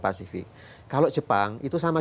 pasifik kalau jepang itu sama